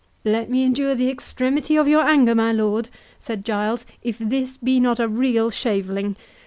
"Let me endure the extremity of your anger, my lord," said Giles, "if this be not a real shaveling.